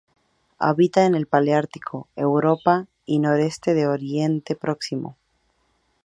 Habita en el paleártico: Europa y el noroeste de Oriente Próximo.